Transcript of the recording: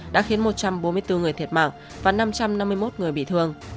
đã khiến một trăm bốn mươi bốn người thiệt mạng và năm trăm năm mươi một người bị thương